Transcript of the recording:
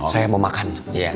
saya mau makan